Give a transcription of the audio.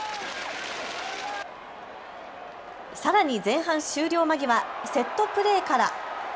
さらに前半終了間際、セットプレーから。